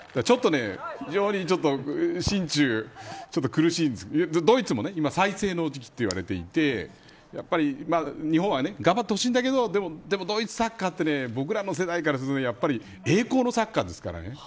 非常にちょっと心中、苦しいですけどドイツも今再生の時期と言われていて日本は頑張ってほしいんだけどでもドイツサッカーって僕らの世代からすると栄光のサッカーですからね。